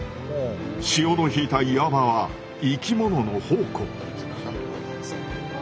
潮の引いた岩場は生きものの宝庫。